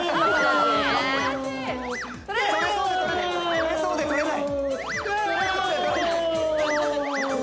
取れそうで取れない！